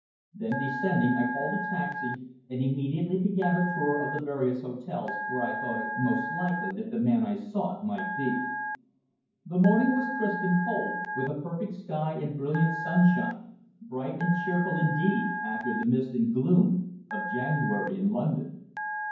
Then descending, I called a taxi and immediately began a tour of the various hotels where I thought it most likely that the man I sought might be. The morning was crisp and cold, with a perfect sky and brilliant sunshine, bright and cheerful indeed after the mist and gloom of January in London.